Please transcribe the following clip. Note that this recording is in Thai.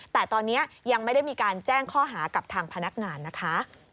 แต่ตอนนี้ยังไม่ได้มีการแจ้งข้อหากับทางพนักงานนะคะ